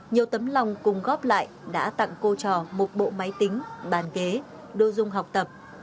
nhiều tấm lòng cùng góp lại đã tặng cô trò một bộ máy tính bàn ghế đô dung học tập